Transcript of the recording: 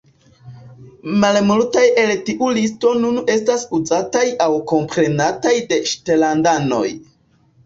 Malmultaj el tiu listo nun estas uzataj aŭ komprenataj de ŝetlandanoj.